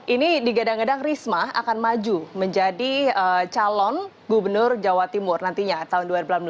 ini digadang gadang risma akan maju menjadi calon gubernur jawa timur nantinya tahun dua ribu delapan belas